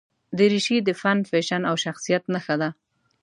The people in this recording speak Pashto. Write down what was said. دریشي د فن، فیشن او شخصیت نښه ده.